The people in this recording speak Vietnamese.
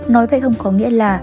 nói vậy không có nghĩa là